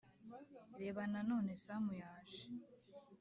Reba nanone Samu yaje